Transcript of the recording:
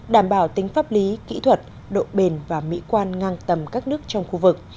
đảm bảo tính pháp lý kỹ thuật độ bền và mỹ quan ngang tầm các nước trong khu vực